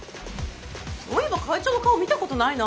そういえば会長の顔見たことないな。